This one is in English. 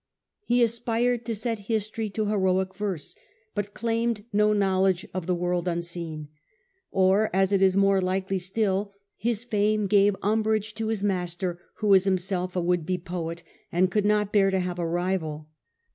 He aspired to set history to heroic verse, but claimed no knowledge of the world unseen. Or, as it is more likely still, his fame gave umbrage to his master, who was himself a would be poet, and could the jealousy not bear to have a rival.